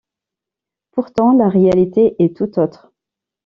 Pourtant, la réalité est toute autre.